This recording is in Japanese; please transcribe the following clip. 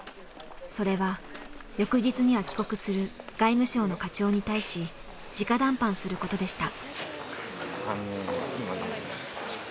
それは翌日には帰国する外務省の課長に対し直談判することでした。